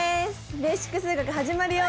「ベーシック数学」始まるよ！